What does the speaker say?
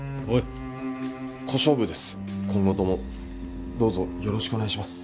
今後ともどうぞよろしくお願いします。